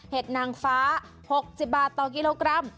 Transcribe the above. นางฟ้า๖๐บาทต่อกิโลกรัม